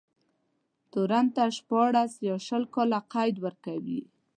تورن ته شپاړس يا شل کاله قید ورکوي.